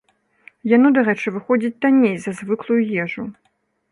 Яно, дарэчы, выходзіць танней за звыклую ежу.